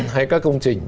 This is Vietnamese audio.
hay các công trình